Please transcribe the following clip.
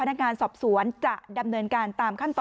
สองสามีภรรยาคู่นี้มีอาชีพ